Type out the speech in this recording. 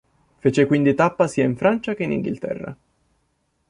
Fece quindi tappa sia in Francia che in Inghilterra.